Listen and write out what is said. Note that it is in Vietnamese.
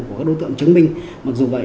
của các đối tượng chứng minh mặc dù vậy